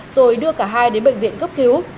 rồi đưa cả hai đến bệnh viện cấp cứu